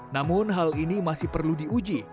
namun hal ini masih perlu diuji